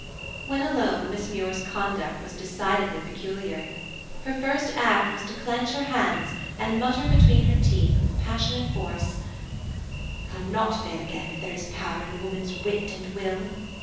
When alone Miss Muir's conduct was decidedly peculiar. Her first act was to clench her hands and mutter between her teeth, with passionate force, "I'll not fail again if there is power in a woman's wit and will!"